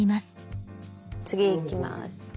次いきます。